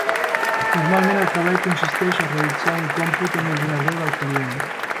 Normalment el treball consisteix a realitzar un còmput en l'ordinador del client.